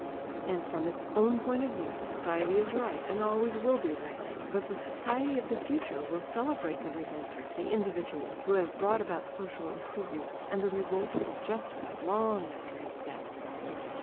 And from its own point of view society is right and always will be right. But the society of the future will celebrate the revolter, the individual, who has brought about social improvement, and the revolter is justified long after his death.